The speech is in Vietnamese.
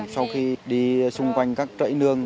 sau khi đi xung quanh các trại nương